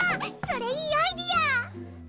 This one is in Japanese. それいいアイデア！